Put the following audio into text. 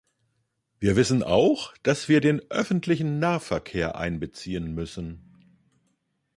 Wir wissen auch, dass wir den öffentlichen Nahverkehr einbeziehen müssen.